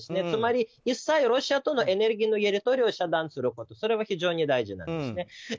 つまり一切ロシアとのエネルギーのやり取りを遮断することそれは非常に大事です。